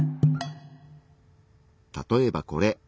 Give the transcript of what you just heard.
例えばこれ。